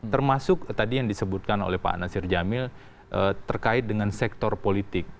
termasuk tadi yang disebutkan oleh pak nasir jamil terkait dengan sektor politik